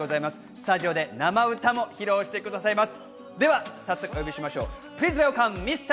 スタジオで生歌も披露してくださいます。